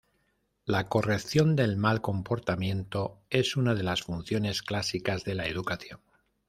La corrección del mal comportamiento es una de las funciones clásicas de la educación.